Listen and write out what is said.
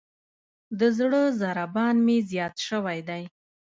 د زړه ضربان مې زیات شوئ دی.